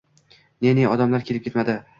ne-ne odamlar kelib ketmadi.